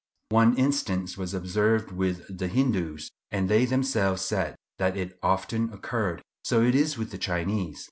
One instance was observed with the Hindoos, and they themselves said that it often occurred. So it is with the Chinese.